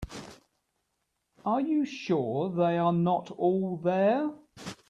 Are you sure they are not all there?